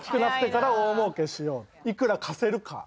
いくら貸せるか。